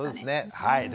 はい。